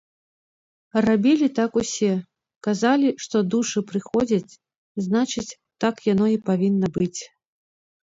Рабілі так усе, казалі, што душы прыходзяць, значыць, так яно і павінна быць.